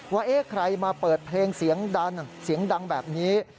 ว่าใครมาเปิดเพลงเสียงดังเสียงดังแบบนี้